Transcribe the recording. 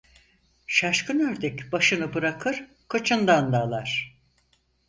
Şaşkın ördek başını bırakır, kıçından dalar.